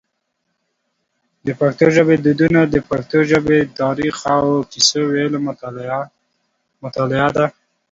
د پښتو ژبی دودونه د پښتنو د ژبی تاریخ او کیسې ویلو مطالعه ده.